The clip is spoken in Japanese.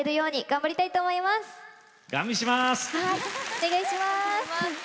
お願いします。